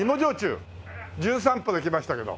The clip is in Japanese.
『じゅん散歩』で来ましたけど。